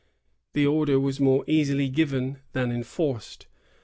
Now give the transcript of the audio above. ^ The order was more easily given than enforced.